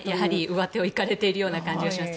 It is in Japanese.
上手を行かれているような感じがします。